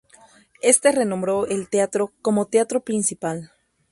Este renombró el teatro como Teatro Principal.